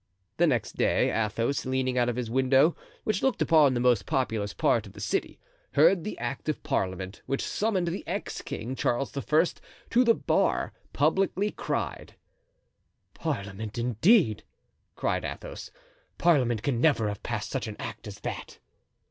The next day, Athos, leaning out of his window, which looked upon the most populous part of the city, heard the Act of Parliament, which summoned the ex king, Charles I., to the bar, publicly cried. "Parliament indeed!" cried Athos. "Parliament can never have passed such an act as that."